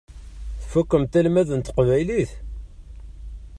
Tfukkemt almad n teqbaylit?